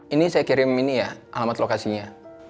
ini saya kirim ini ya alamat lokasinya